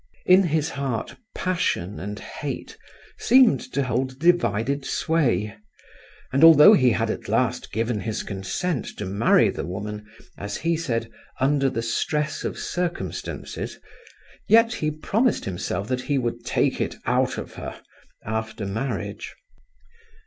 In his heart passion and hate seemed to hold divided sway, and although he had at last given his consent to marry the woman (as he said), under the stress of circumstances, yet he promised himself that he would "take it out of her," after marriage.